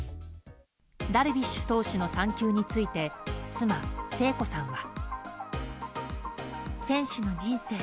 ダルビッシュ投手の産休について妻・聖子さんは。